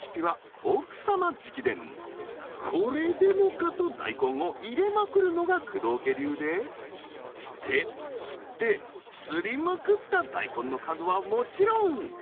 これでもかと大根を入れまくるのが工藤家流ですってすってすりまくった大根の数はもちろん。